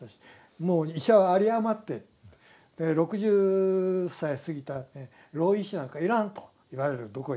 もう医者は有り余ってる６０歳過ぎた老医師なんか要らんと言われるどこ行っても。